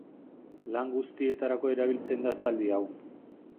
Lan guztietarako erabiltzen da zaldi hau.